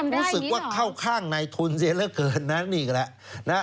แหมรู้สึกว่าเข้าข้างในทุนเย็นแล้วเกินนะนี่แหละ